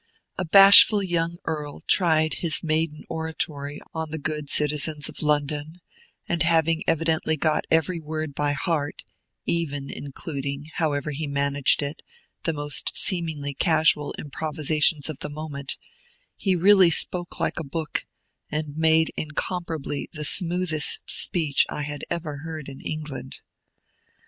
A bashful young earl tried his maiden oratory on the good citizens of London, and having evidently got every word by heart (even including, however he managed it, the most seemingly casual improvisations of the moment), he really spoke like a book, and made incomparably the smoothest speech I ever heard in England.